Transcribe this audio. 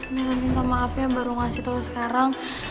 bella minta maafnya baru ngasih tau sekarang